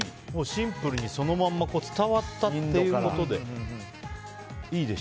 シンプルにそのまま伝わったということで。